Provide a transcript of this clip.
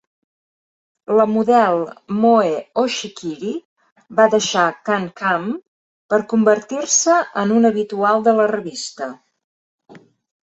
La model Moe Oshikiri va deixar "CanCam" per convertir-se en una habitual de la revista.